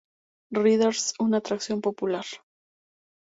Riders, una atracción popular.